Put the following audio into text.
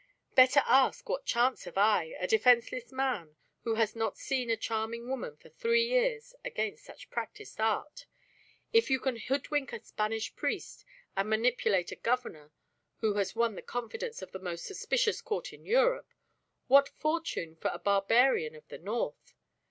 "Better ask, what chance have I, a defenceless man, who has not seen a charming woman for three years, against such practised art? If you can hoodwink a Spanish priest, and manipulate a Governor who has won the confidence of the most suspicious court in Europe, what fortune for a barbarian of the north?